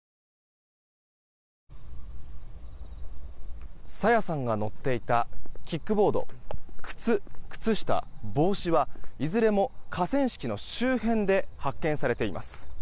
朝芽さんが乗っていたキックボード、靴、靴下帽子は、いずれも河川敷の周辺で発見されています。